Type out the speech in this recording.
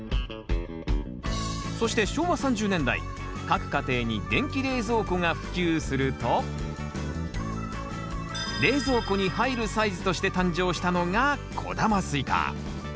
そして昭和３０年代各家庭に電気冷蔵庫が普及すると冷蔵庫に入るサイズとして誕生したのが小玉スイカ。